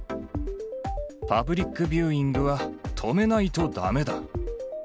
パブリックビューイングは止めないとだめだ。